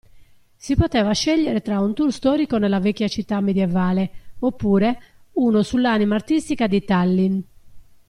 Si poteva scegliere tra un tour storico nella vecchia città medievale, oppure, uno sull'anima artistica di Tallinn.